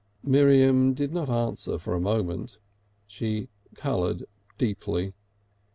Miriam did not answer for a moment. She coloured deeply.